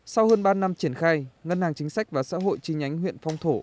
sau hơn ba năm triển khai ngân hàng chính sách và xã hội chi nhánh huyện phong thổ